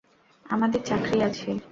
আমাদের চাকরি আছে।